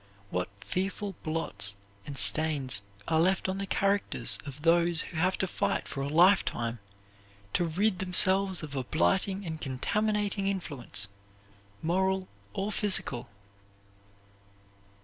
What fearful blots and stains are left on the characters of those who have to fight for a lifetime to rid themselves of a blighting and contaminating influence, moral or physical!